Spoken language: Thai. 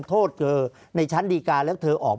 ภารกิจสรรค์ภารกิจสรรค์